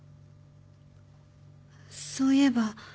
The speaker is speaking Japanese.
そういえば。